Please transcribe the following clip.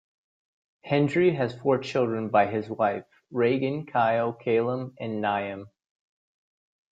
Hendry has four children by his wife: Rheagan, Kyle, Callum and Niamh.